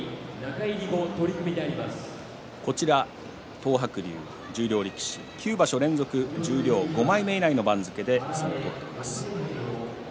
東白龍、十両力士９場所連続十両５枚目以内の成績でずっと取っています。